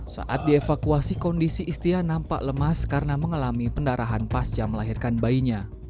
saat dievakuasi kondisi istia nampak lemas karena mengalami pendarahan pasca melahirkan bayinya